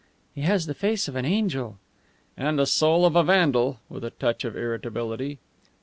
"He has the face of an angel!" "And the soul of a vandal!" with a touch of irritability.